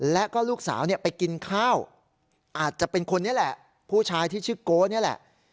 และก็ลูกสาวไปกินข้าวอาจจะเป็นคนนี้แหละผู้ชายที่ชื่อโก๊นี่แหละ